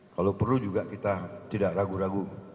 kalau perlu juga kita tidak ragu ragu